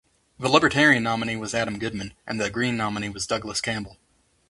The Libertarian nominee was Adam Goodman and the Green nominee was Douglas Campbell.